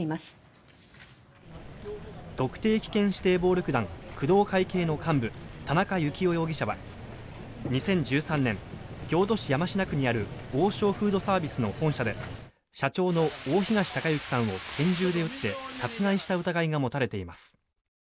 今日、特定危険指定暴力団工藤会系の幹部田中幸雄容疑者は２０１３年京都市山科区にある王将フードサービスの本社で社長の大東隆行さんを拳銃で撃って殺害した疑いが持たれています。